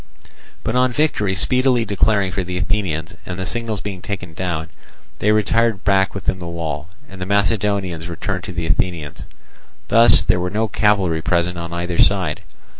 But on victory speedily declaring for the Athenians and the signals being taken down, they retired back within the wall; and the Macedonians returned to the Athenians. Thus there were no cavalry present on either side.